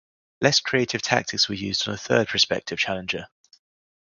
Less creative tactics were used on a third prospective challenger.